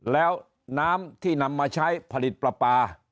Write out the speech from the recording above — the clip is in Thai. แล้วน้ำที่นำมาใช้ผลิตปลาปลา